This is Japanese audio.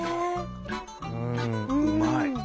うまい。